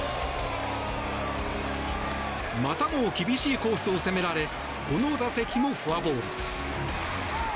またも厳しいコースを攻められこの打席もフォアボール。